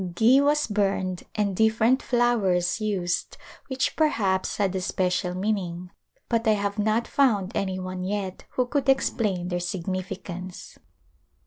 Ghi was burned and different flowers used which per haps had a special meaning but I have not found any one yet who could explain their significance.